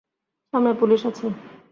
সামনে পুলিশ আছে।